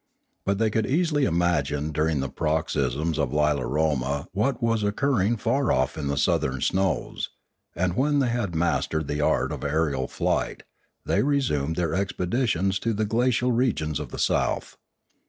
But they could easily imagine during the paroxysms of Lilaroma what was occurring far off in the southern snows; and when they had mastered the art of aerial flight, they resumed their expeditions to the glacial regions of the south.